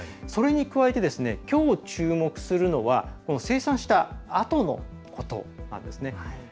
それに加えてきょう、注目するのは生産したあとのことなんですね。